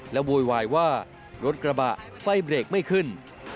โวยวายว่ารถกระบะไฟเบรกไม่ขึ้น